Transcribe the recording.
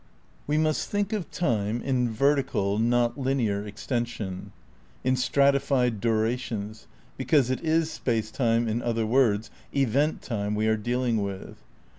"' We must think of time in vertical, not linear exten sion, in stratified durations, because it is space time, in other words, event time we are dealing with.